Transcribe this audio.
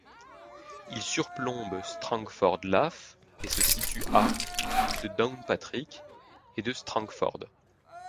Il surplombe Strangford Lough et se situe à de Downpatrick et de Strangford.